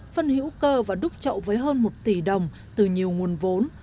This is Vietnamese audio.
phân hữu cơ và đúc trậu với hơn một tỷ đồng từ nhiều nguồn vốn